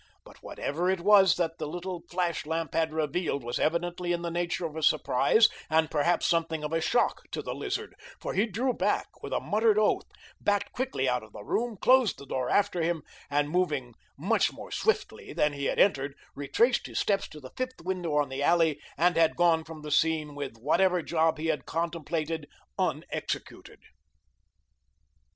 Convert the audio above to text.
But whatever it was that the little flash lamp had revealed was evidently in the nature of a surprise, and perhaps something of a shock, to the Lizard, for he drew back with a muttered oath, backed quietly out of the room, closed the door after him, and, moving much more swiftly than he had entered, retraced his steps to the fifth window on the alley, and was gone from the scene with whatever job he had contemplated unexecuted.